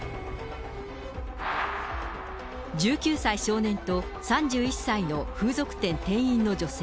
１９歳少年と３１歳の風俗店店員の女性。